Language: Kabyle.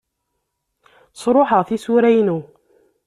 Sṛuḥeɣ tisura-inu.